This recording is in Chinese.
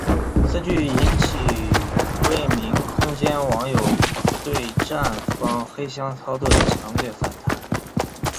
此举引起未名空间网友对站方黑箱操作的强烈反弹。